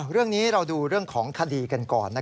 เรื่องนี้เราดูเรื่องของคดีกันก่อน